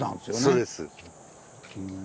そうです。